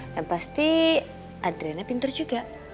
dan pasti adriana pinter juga